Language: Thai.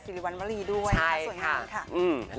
สิริวันวรีด้วยใช่ค่ะส่วนทางนี้ค่ะอืม